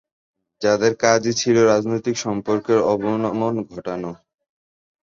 যাদের কাজই ছিল রাজনৈতিক সম্পর্কের অবনমন ঘটানো।